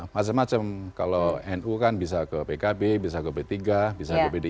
macem macem kalau nu kan bisa ke pkb bisa ke b tiga bisa ke bdip